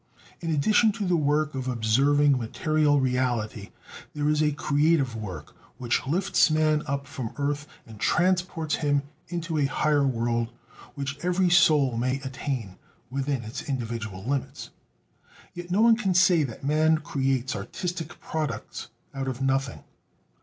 In addition to the work of observing material reality, there is a creative work which lifts man up from earth and transports him into a higher world which every soul may attain, within its individual limits. Yet no one can say that man creates artistic products out of nothing.